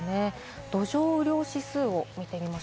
土壌雨量指数を見てみます。